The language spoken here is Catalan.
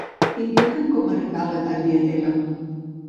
Indica'm com arribar a la Tagliatella.